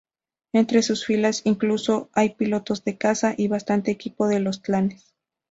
Entre sus filas incluso hay pilotos de caza y bastante equipo de los Clanes.